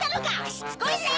しつこいぜ！